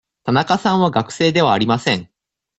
田中さんは学生ではありません。